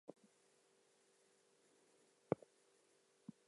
This corridor will have the first driverless train in Delhi Metro Network.